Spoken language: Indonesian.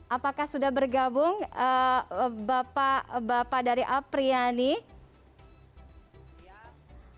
apakah sudah bergabung bapak dari apri ya nih